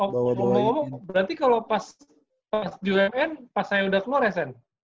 berarti kalau pas umn pas saya udah keluar ya sen